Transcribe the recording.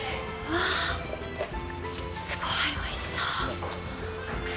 わあ、すごいおいしそう。